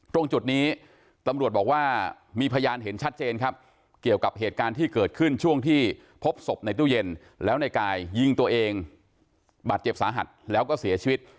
ตรงจุดนี้ตำรวจบอกว่ามีพยานเห็นชัดเจนครับเกี่ยวกับเหตุการณ์ที่เกิดขึ้นช่วงที่พบศพในตู้เย็นแล้วในกายยิงตัวเองบาดเจ็บสาหัสแล้วก็เสียชีวิต